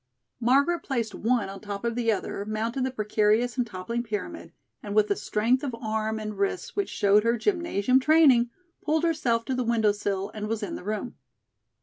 Margaret placed one on top of the other, mounted the precarious and toppling pyramid, and with the strength of arm and wrist which showed her gymnasium training, pulled herself to the window sill and was in the room.